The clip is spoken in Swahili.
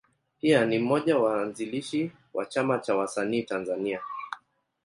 Pia ni mmoja ya waanzilishi wa Chama cha Wasanii Tanzania.